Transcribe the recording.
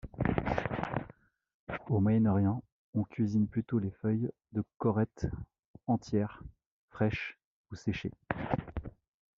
Au Moyen-Orient, on cuisine plutôt les feuilles de corète entières, fraiches ou séchées.